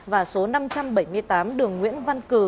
và số năm trăm bảy mươi tám đường nguyễn văn cử